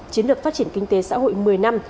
chiến lược phát triển kinh tế xã hội một mươi năm